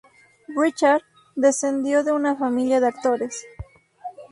Richard descendió de una familia de actores.